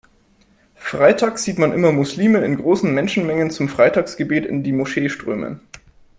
Freitags sieht man immer Muslime in großen Menschenmengen zum Freitagsgebet in die Moschee strömen.